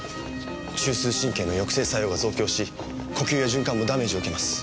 中枢神経の抑制作用が増強し呼吸や循環もダメージを受けます。